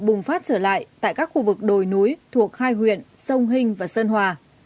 bùng phát trở lại tại các khu vực đồi núi thuộc hai huyện sông hình và sơn hòa